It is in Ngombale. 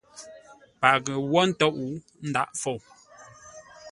Paghʼə wó ntôʼ, ndǎghʼ fou.